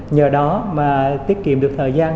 nhờ đó mà tiết kiệm được thời gian